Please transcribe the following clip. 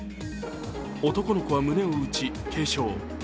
男の子は胸を打ち、軽傷。